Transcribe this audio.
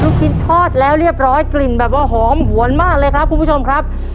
ลูกชิ้นทอดแล้วเรียบร้อยกลิ่นแบบว่าหอมหวนมากเลยครับคุณผู้ชมครับ